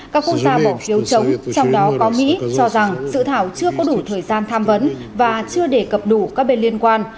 các quốc gia bỏ phiếu chống trong đó có mỹ cho rằng sự thảo chưa có đủ thời gian tham vấn và chưa đề cập đủ các bên liên quan